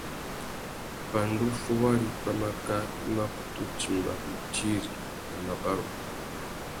Pandú fôwari pwámáká, i mà kutu timba mutiri na mabarú.